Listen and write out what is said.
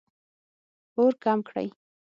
اور کم کړئ